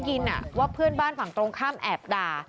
คือตอนอยู่บ้านก็ได้ยินว่าเพื่อนบ้านฝั่งตรงข้ามแอบด่า